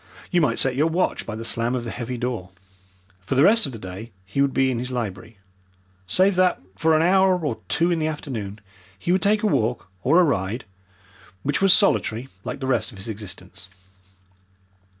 You might set your watch by the slam of the heavy door. For the rest of the day he would be in his library save that for an hour or two in the afternoon he would take a walk or a ride, which was solitary like the rest of his existence.